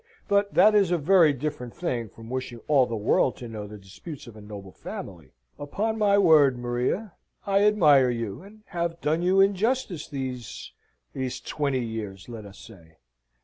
But that is a very different thing from wishing all the world to know the disputes of a noble family." "Upon my word, Maria, I admire you, and have done you injustice. These these twenty years, let us say."